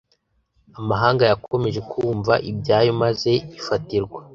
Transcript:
amahanga yakomeje kumva ibyayo maze ifatirwa